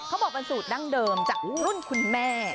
เขาบอกเป็นสูตรดั้งเดิมจากรุ่นคุณแม่